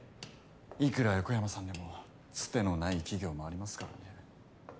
いくら横山さんでもつてのない企業もありますからね。